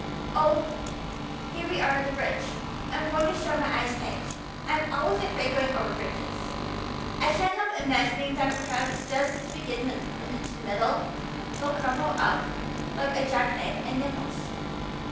Oh, here we are at the bridge. I'm going to shut my eyes tight. I'm always afraid going over bridges. I can't help imagining that perhaps just as we get to the middle, they'll crumple up like a jack knife and nip us.